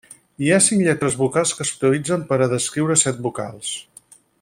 Hi ha cinc lletres vocals que s'utilitzen per a escriure set vocals.